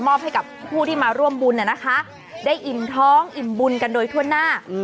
ให้กับผู้ที่มาร่วมบุญนะคะได้อิ่มท้องอิ่มบุญกันโดยทั่วหน้า